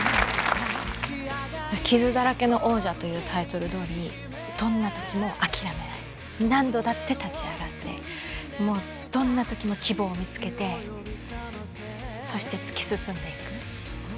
「傷だらけの王者」というタイトルどおりどんな時も諦めない何度だって立ち上がってもうどんな時も希望を見つけてそして突き進んでいく。